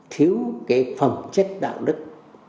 thiếu cái phẩm chất đạo đức